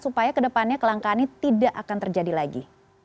supaya kedepannya kelangkaannya tidak akan terjadi lagi